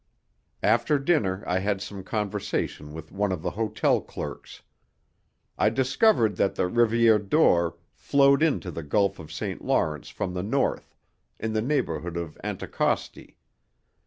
After dinner I had some conversation with one of the hotel clerks. I discovered that the Rivière d'Or flowed into the Gulf of St. Lawrence from the north, in the neighbourhood of Anticosti.